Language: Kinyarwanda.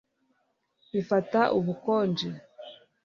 Ifata ubukonje